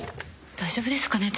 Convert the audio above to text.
大丈夫ですかね？